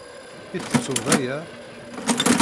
I tettuḍ aya?